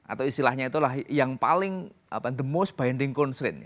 atau istilahnya itulah yang paling the most binding constraint